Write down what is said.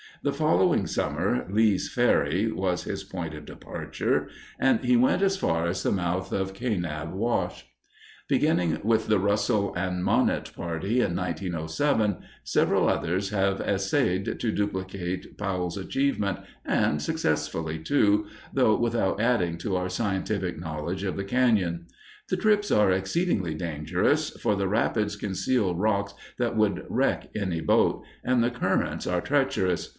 The following summer Lee's Ferry was his point of departure and he went as far as the mouth of Kanab Wash. Beginning with the Russell and Monett party, in 1907, several others have essayed to duplicate Powell's achievement, and successfully, too, though without adding to our scientific knowledge of the cañon. The trips are exceedingly dangerous, for the rapids conceal rocks that would wreck any boat, and the currents are treacherous.